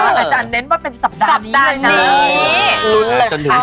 อาจารย์เน้นว่าเป็นจะเป็นสัปดาห์นี้เลยนะ